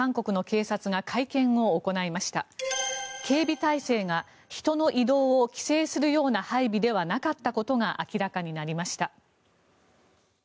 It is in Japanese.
警備態勢が人の移動を規制するような配備ではなかったことが明らかになりました。